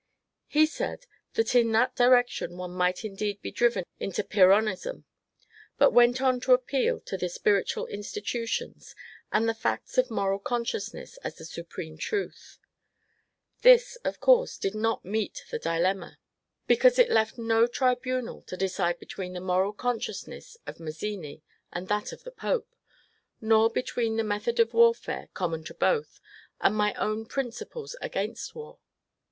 He said that in that direction one might indeed be driven into Pyrrhonism, but went on to appeal to the spiritual intuitions and the facts of moral consciousness as the supreme truth. This, of course, did not meet the dilemma, because it left no tribunal to decide between the moral consciousness of Maz zini and that of the Pope ; nor between the method of war fare, common to both, and my own principles against war.